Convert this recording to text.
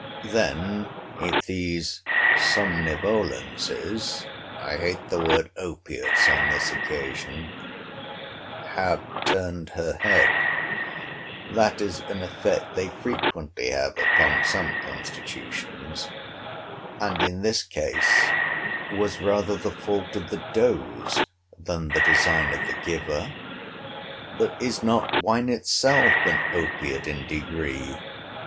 Then, if these somnivolencies [I hate the word opiates on this occasion,] have turned her head, that is an effect they frequently have upon some constitutions; and in this case was rather the fault of the dose than the design of the giver. But is not wine itself an opiate in degree?